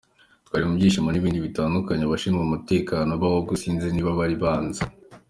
Twari mu byishimo n’ibindi bitandukanye, abashinzwe umutekano be ahubwo sinzi niba bari banzi.